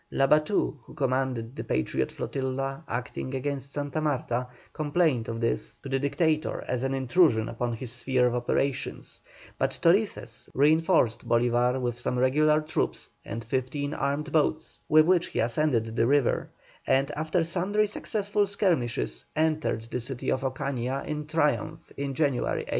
Labatut, who commanded the Patriot flotilla acting against Santa Marta, complained of this to the Dictator as an intrusion upon his sphere of operations; but Torices reinforced Bolívar with some regular troops and fifteen armed boats, with which he ascended the river, and after sundry successful skirmishes entered the city of Ocaña in triumph in January, 1813.